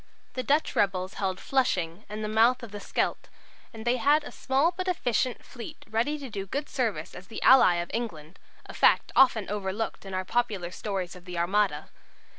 The Dutch rebels held Flushing and the mouth of the Scheldt, and they had a small but efficient fleet ready to do good service as the ally of England a fact often overlooked in our popular stories of the Armada.